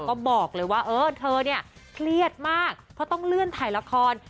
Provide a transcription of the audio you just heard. ก็บอกเลยว่าเออเธอเนี่ยเครียดมากเพราะต้องเลื่อนถ่ายละคร